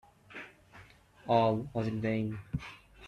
All was in vain.